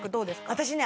私ね